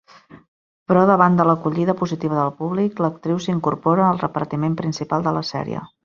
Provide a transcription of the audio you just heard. Però, davant de l'acollida positiva del públic, l'actriu s’incorpora al repartiment principal de la sèrie.